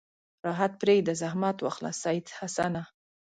راحت پرېږده زحمت واخله سید حسنه.